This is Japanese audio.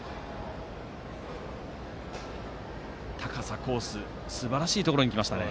高さ、コースすばらしいところに来ましたね。